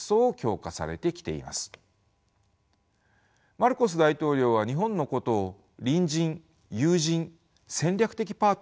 マルコス大統領は日本のことを隣人友人戦略的パートナーと呼んでいます。